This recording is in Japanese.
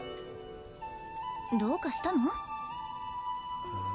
どうかしたの？